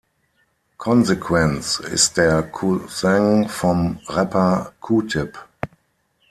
Consequence ist der Cousin vom Rapper Q-Tip.